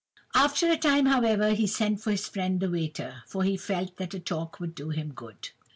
"After a time, however, he sent for his friend the waiter, for he felt that a talk would do him good.